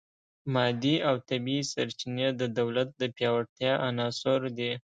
مادي او طبیعي سرچینې د دولت د پیاوړتیا عناصر دي